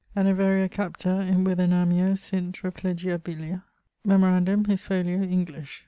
An averia capta in Withernamio sint replegiabilia? Memorandum: his folio, English.